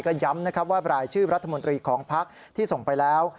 ก็ย้ำนะครับว่ารายชื่อรัฐมนตรีของพักที่ส่งไปแล้ว